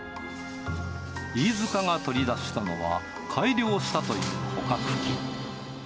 飯塚が取り出したのは改良したという捕獲機。